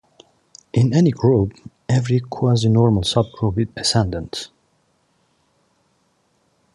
In any group, every quasinormal subgroup is ascendant.